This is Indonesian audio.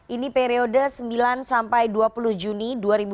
ini periode sembilan sampai dua puluh juni dua ribu dua puluh